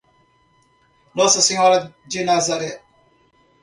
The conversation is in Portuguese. Nossa Senhora de Nazaré